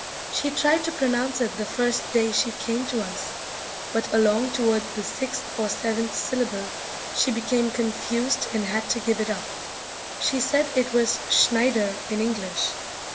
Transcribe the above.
She tried to pronounce it the first day she came to us, but along toward the sixth or seventh syllable she became confused and had to give it up. She said it was Schneider in English.